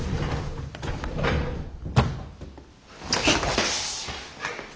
よし！